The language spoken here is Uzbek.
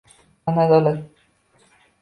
Qani adolat?